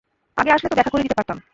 আগে আসলে তো দেখা করিয়ে দিতে পারতাম।